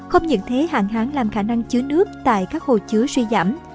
không những thế hạn hán làm khả năng chứa nước tại các hồ chứa suy giảm